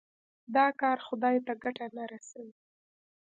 دا کار خدای ته ګټه نه رسوي.